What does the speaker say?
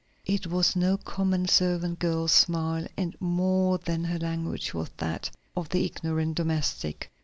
It was no common servant girl's smile, any more than her language was that of the ignorant domestic.